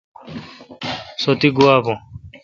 تو تی گوا بھو۔